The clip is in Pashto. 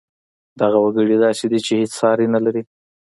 دغه وګړی داسې دی چې هېڅ ساری نه لري